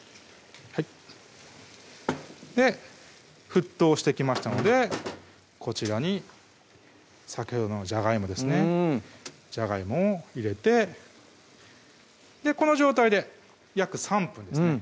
沸騰してきましたのでこちらに先ほどのじゃがいもですねじゃがいもを入れてこの状態で約３分ですね